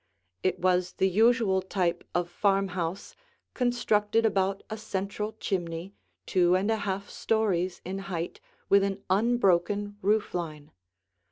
It was the usual type of farmhouse, constructed about a central chimney, two and a half stories in height, with an unbroken roof line.